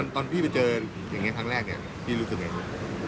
ตอนพี่ไปเจออย่างนี้ครั้งแรกพี่รู้สึกยังไง